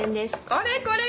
これこれ！